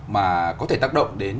mà có thể tác động đến